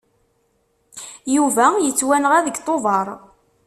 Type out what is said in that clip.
Yuba yettwanɣa deg Tubeṛ.